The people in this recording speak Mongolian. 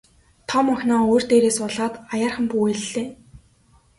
Том охиноо өвөр дээрээ суулгаад аяархан бүүвэйллээ.